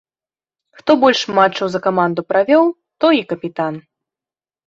Хто больш матчаў за каманду правёў, той і капітан.